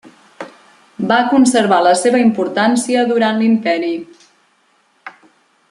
Va conservar la seva importància durant l'imperi.